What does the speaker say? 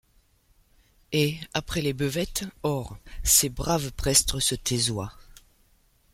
Et, après les beuvettes, ores, ces braves prebstres se taisoyent.